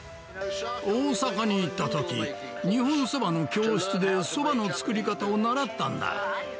大阪に行ったとき、日本そばの教室で、そばの作り方を習ったんだ。